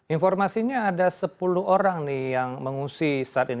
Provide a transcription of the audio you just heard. informasinya ada sepuluh orang nih